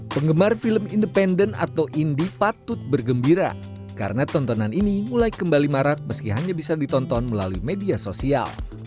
penggemar film independen atau indi patut bergembira karena tontonan ini mulai kembali marak meski hanya bisa ditonton melalui media sosial